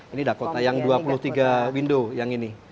ini dakota yang dua puluh tiga window yang ini